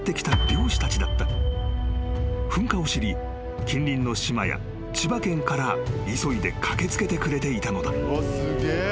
［噴火を知り近隣の島や千葉県から急いで駆け付けてくれていたのだ］